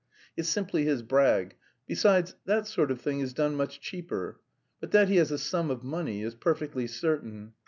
It's simply his brag. Besides, that sort of thing is done much cheaper. But that he has a sum of money is perfectly certain.